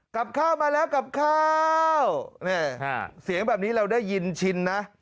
กลับข้าวมาแล้วกับข้าวเสียงแบบนี้เราได้ยินชินนะ